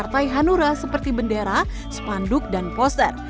partai hanura seperti bendera spanduk dan poster